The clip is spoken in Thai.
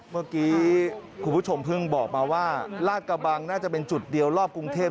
เมื่อกี้คุณผู้ชมเพิ่งบอกมาว่าลาดกระบังน่าจะเป็นจุดเดียวรอบกรุงเทพ